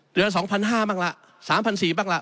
เดือนละ๒๕๐๐บ้างละ๓๔๐๐บ้างล่ะ